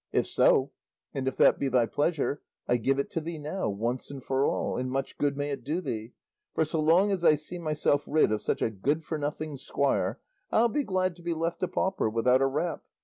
If so, and if that be thy pleasure, I give it to thee now, once and for all, and much good may it do thee, for so long as I see myself rid of such a good for nothing squire I'll be glad to be left a pauper without a rap.